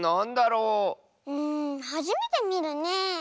うんはじめてみるねえ。